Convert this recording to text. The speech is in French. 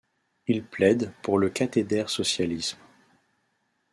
Il plaide pour le Kathedersocialisme.